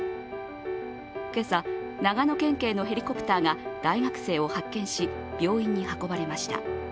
今朝、長野県警のヘリコプターが大学生を発見し、病院に運ばれました。